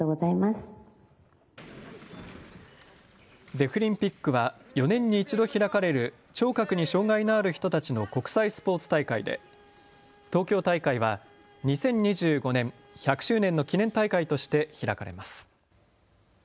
デフリンピックは４年に一度開かれる聴覚に障害のある人たちの国際スポーツ大会で東京大会は２０２５年１００周年の記念大会として開かれます。